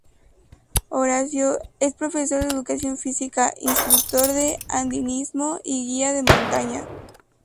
Horacio es profesor de educación física instructor de andinismo y guía de montaña.